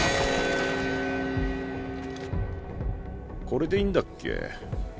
これでいいんだっけ？